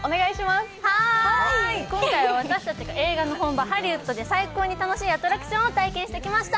今回私たちが映画の本場・ハリウッドで最高に楽しいアトラクションを体験してきました。